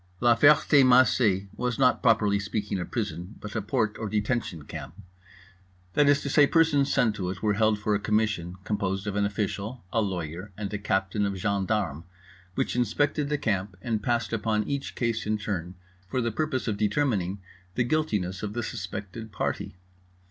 La Ferté Macé was not properly speaking a prison, but a Porte or Detention Camp: that is to say, persons sent to it were held for a Commission, composed of an official, a lawyer, and a captain of gendarmes, which inspected the Camp and passed upon each case in turn for the purpose of determining the guiltiness of the suspected party.